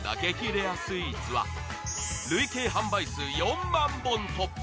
レアスイーツは累計販売数４万本突破